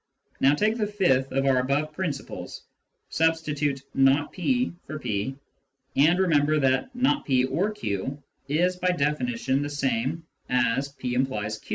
Now take the fifth of our above principles, substitute not p for p, and remember that " not p or q " is by definition the same as " p implies q."